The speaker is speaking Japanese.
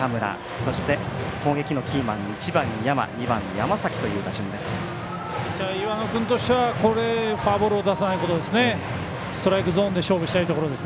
そして、攻撃のキーマン１番、山と２番、山崎という打順です。